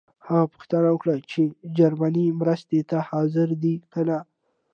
هغه پوښتنه وکړه چې جرمني مرستې ته حاضر دی کنه.